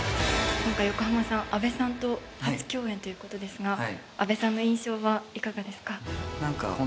今回横浜さん阿部さんと初共演ということですが阿部さんの印象はいかがですか？